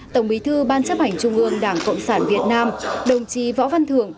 tổng bí thư ban chấp hành trung ương đảng cộng sản việt nam đồng chí võ văn thưởng